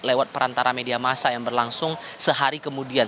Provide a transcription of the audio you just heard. lewat perantara media masa yang berlangsung sehari kemudian